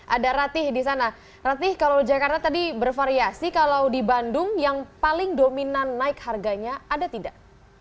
ada ratih di sana ratih kalau jakarta tadi bervariasi kalau di bandung yang paling dominan naik harganya ada tidak